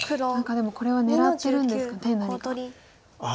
でもこれは狙ってるんですかね何か。